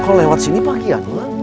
kok lewat sini pagi ya